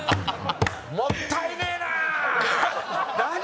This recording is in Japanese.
もったいねえな！